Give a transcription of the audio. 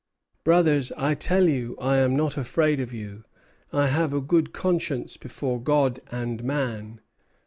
'Brothers, I tell you I am not afraid of you. I have a good conscience before God and man.